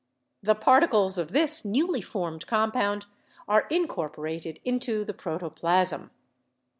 The particles of this newly formed compound are incor porated into the protoplasm.